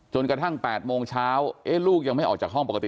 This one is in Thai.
จนกระทั่ง๘โมงเช้าลูกยังไม่ออกจากห้องปกติ